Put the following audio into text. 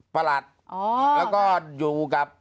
ประหลัดแล้วก็อยู่กับ